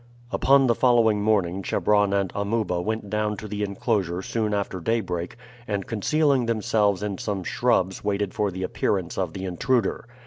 Upon the following morning Chebron and Amuba went down to the inclosure soon after daybreak, and concealing themselves in some shrubs waited for the appearance of the intruder.